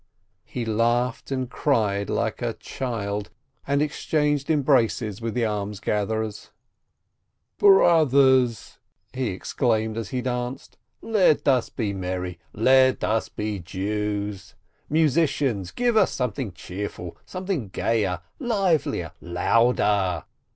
He laughed and cried like a child, and exchanged embraces with the almsgatherers. 90 SPEKTOR "Brothers!" he exclaimed as he danced, "let us be merry, let us be Jews ! Musicians, give us something cheerful — something gayer, livelier, louder